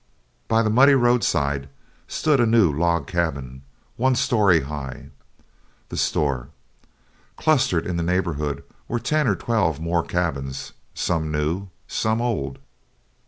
By the muddy roadside stood a new log cabin, one story high the store; clustered in the neighborhood were ten or twelve more cabins, some new, some old.